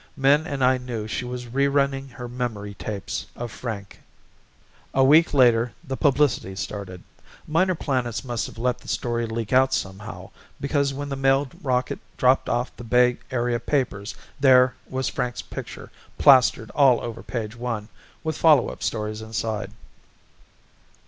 Min and I knew she was re running her memory tapes of Frank. A week later the publicity started. Minor Planets must have let the story leak out somehow because when the mail rocket dropped off the Bay Area papers there was Frank's picture plastered all over page one with follow up stories inside.